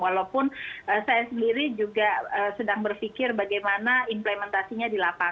walaupun saya sendiri juga sedang berpikir bagaimana implementasinya dilakukan